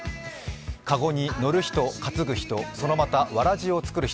籠に乗る人、担ぐ人、そのまた、わらじを作る人。